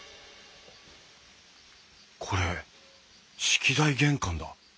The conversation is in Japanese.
これ式台玄関だ。